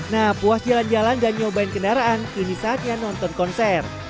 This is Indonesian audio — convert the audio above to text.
nah puas jalan jalan dan nyobain kendaraan kini saatnya nonton konser